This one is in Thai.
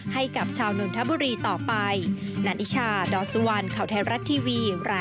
ให้กับชาวนนทบุรีต่อไป